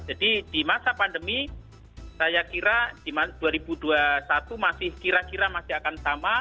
jadi di masa pandemi saya kira dua ribu dua puluh satu masih kira kira masih akan sama